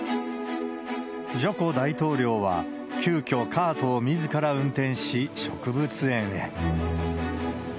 ジョコ大統領は急きょ、カートをみずから運転し、植物園へ。